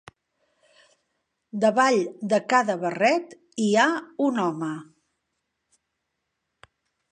Davall de cada barret hi ha un home.